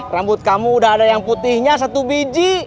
rambut kamu udah ada yang putihnya satu biji